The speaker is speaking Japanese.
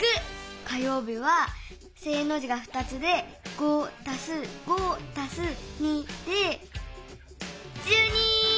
火よう日は正の字が２つで５＋５＋２で１２！